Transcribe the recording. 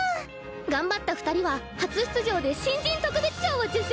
頑張った２人は初出場で新人特別賞を受賞！